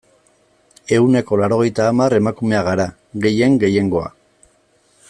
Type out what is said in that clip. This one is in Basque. Ehuneko laurogeita hamar emakumeak gara, gehien gehiengoa.